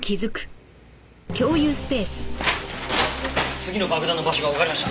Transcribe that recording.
次の爆弾の場所がわかりました。